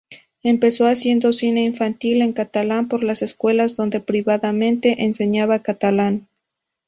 Empezó haciendo cine infantil en catalán por las escuelas, donde privadamente enseñaban catalán.